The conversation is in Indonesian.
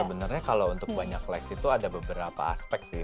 sebenarnya kalau untuk banyak lex itu ada beberapa aspek sih